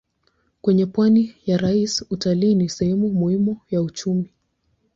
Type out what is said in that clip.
Kwenye pwani ya rasi utalii ni sehemu muhimu ya uchumi.